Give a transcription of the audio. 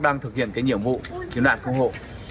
đang thực hiện nhiệm vụ kiếm nạn công hộ